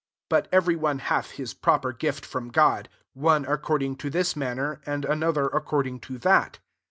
But every one hath his proper gift from God ; one according to this manner, and another ac cording to that.